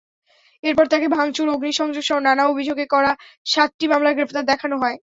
এরপর তাঁকে ভাঙচুর, অগ্নিসংযোগসহ নানা অভিযোগে করা সাতটি মামলায় গ্রেপ্তার দেখানো হয়।